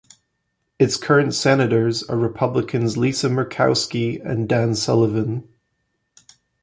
Its current senators are Republicans Lisa Murkowski and Dan Sullivan.